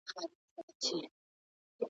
پل چي یې د ده پر پلونو ایښی دی ښاغلی دی !